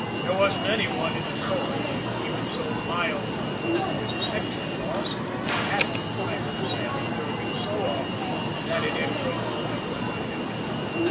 There wasn't any one in authority, even so mild an authority as a section boss, who hadn't fired Sammy Durgan so often that it had grown on them like a habit.